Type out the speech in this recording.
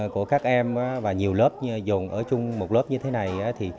của các em và nhiều lớp dồn ở chung một lớp như thế này